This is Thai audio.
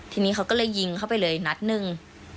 ทีนี้เขาก็เลยยิงเข้าไปเลยนัดหนึ่ง